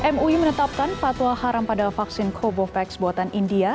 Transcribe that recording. mui menetapkan fatwa haram pada vaksin covovax buatan india